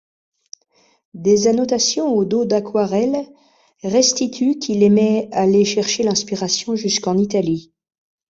Des annotations au dos d'aquarelles restituent qu'il aimait aller chercher l'inspiration jusqu'en Italie.